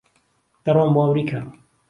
دەڕۆم بۆ ئەمریکا.